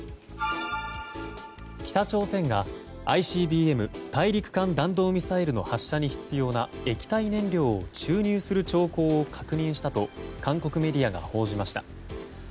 北朝鮮がＩＣＢＭ・大陸間弾道ミサイルの発射に必要な液体燃料を注入する兆候を確認したと韓国メディアが報じました。